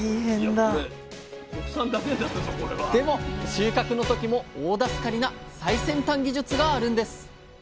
収穫の時も大助かりな最先端技術があるんです！